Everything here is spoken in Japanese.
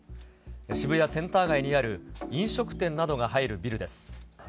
渋谷センター街にある飲食店などが入るビルです。